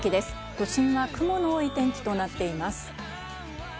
都心は雲の多い天気となっています。